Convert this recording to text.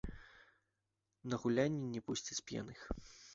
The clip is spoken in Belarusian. На гулянні не пусцяць п'яных.